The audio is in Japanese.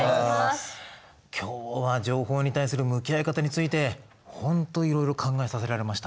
今日は情報に対する向き合い方についてほんといろいろ考えさせられました。